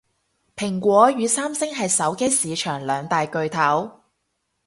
蘋果與三星係手機市場兩大巨頭